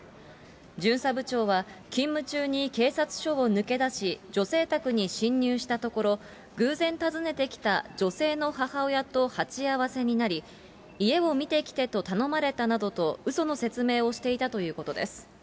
巡査部長は、勤務中に警察署を抜け出し、女性宅に侵入したところ、偶然訪ねてきた女性の母親と鉢合わせになり、家を見てきてと頼まれたなどとうその説明をしていたということです。